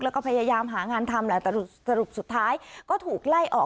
แล้วก็พยายามหางานทำแหละแต่สรุปสุดท้ายก็ถูกไล่ออก